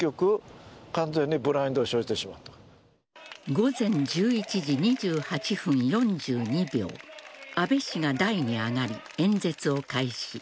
午前１１時２８分４２秒安倍氏が台に上がり、演説を開始。